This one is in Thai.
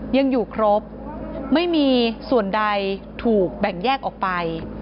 ยังอยู่ครบไม่มีส่วนใดถูกแบ่งแยกออกไป